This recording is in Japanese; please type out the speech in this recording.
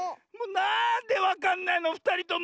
なんでわかんないのふたりとも！